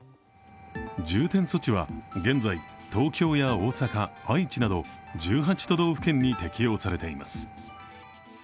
重点措置は現在、東京や大阪、愛知など１８都道府県に適用されています。